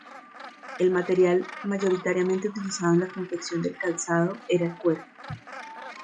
El material mayoritariamente utilizado en la confección del calzado era el cuero.